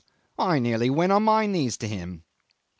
I nearly went on my knees to him.